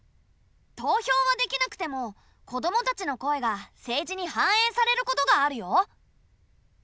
投票はできなくても子どもたちの声が政治に反映されることがあるよ。